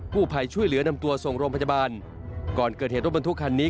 ผู้ภัยช่วยเหลือนำตัวส่งโรงพยาบาลก่อนเกิดเหตุรถบรรทุกคันนี้